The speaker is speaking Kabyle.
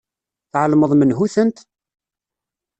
Tεelmeḍ menhu-tent?